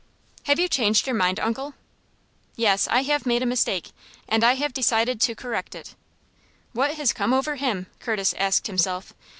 "Have you changed your mind, uncle?" "Yes; I have made a mistake, and I have decided to correct it." "What has come over him?" Curtis asked himself.